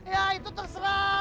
ya itu terserah lo gue agak mau tau